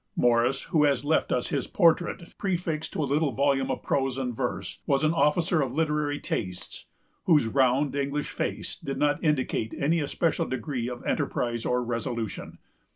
Morris, who has left us his portrait, prefixed to a little volume of prose and verse, was an officer of literary tastes, whose round English face did not indicate any especial degree of enterprise or resolution.